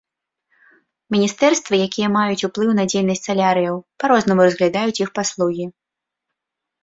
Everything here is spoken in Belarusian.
Міністэрствы, якія маюць уплыў на дзейнасць салярыяў па-рознаму разглядаюць іх паслугі.